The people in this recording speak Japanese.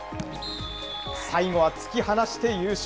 最後は突き放して優勝。